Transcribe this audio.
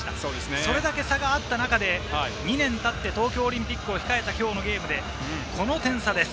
それだけ差があった中で、２年たって東京オリンピックを控えた今日のゲーム、この点差です。